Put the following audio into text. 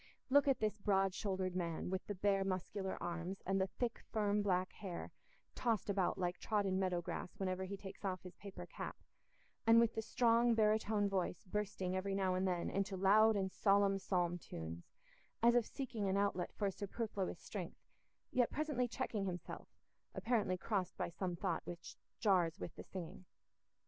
Look at this broad shouldered man with the bare muscular arms, and the thick, firm, black hair tossed about like trodden meadow grass whenever he takes off his paper cap, and with the strong barytone voice bursting every now and then into loud and solemn psalm tunes, as if seeking an outlet for superfluous strength, yet presently checking himself, apparently crossed by some thought which jars with the singing.